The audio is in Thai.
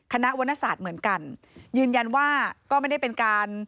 คณะวรรณศาสตร์เหมือนกันยืนยันว่าก็ไม่ได้เป็นการ